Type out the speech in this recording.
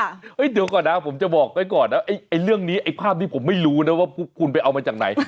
เดี๋ยวก่อนนะผมจะบอกไว้ก่อนนะไอ้เรื่องนี้ไอ้ภาพนี้ผมไม่รู้นะว่าพวกคุณไปเอามาจากไหน